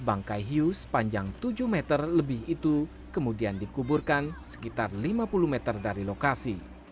bangkai hiu sepanjang tujuh meter lebih itu kemudian dikuburkan sekitar lima puluh meter dari lokasi